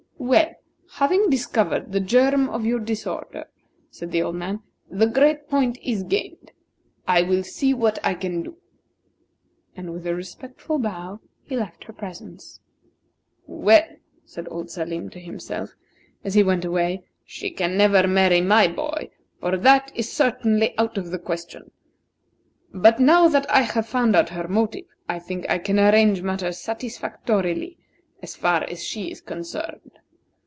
"Well, having discovered the germ of your disorder," said the old man, "the great point is gained. I will see what I can do." And with a respectful bow he left her presence. "Well," said old Salim to himself, as he went away, "she can never marry my boy, for that is certainly out of the question; but now that I have found out her motive, I think I can arrange matters satisfactorily, so far as she is concerned.